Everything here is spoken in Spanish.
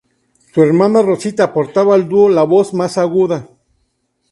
Su hermana Rosita aportaba al dúo la voz más aguda.